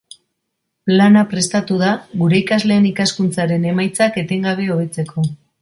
Plana prestatu da, gure ikasleen ikaskuntzaren emaitzak etengabe hobetzeko.